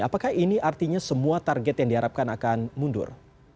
apakah ini artinya semua target yang diharapkan akan mundur